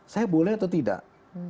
saya boleh atau tidak